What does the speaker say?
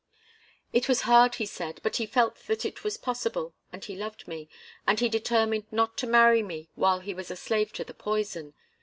It was hard, he said, but he felt that it was possible, and he loved me, and he determined not to marry me while he was a slave to the poison.